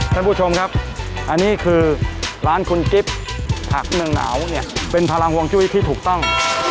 ท่านผู้ชมครับอันนี้คือร้านคุณกิฟต์ผักเมืองหนาวเนี่ยเป็นพลังห่วงจุ้ยที่ถูกต้อง